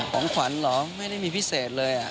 ของขวัญเหรอไม่ได้มีพิเศษเลย